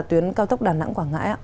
là tuyến cao tốc đà nẵng quảng ngãi